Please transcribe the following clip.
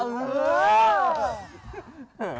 เออ